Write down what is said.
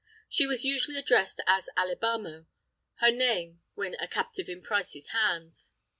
She was usually addressed as "Alibamo"—her name when a captive in Price's hands.